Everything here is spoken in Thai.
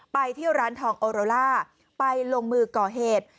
ไปที่ร้านทองโอโรล่าไปลงมือก่อเหตุ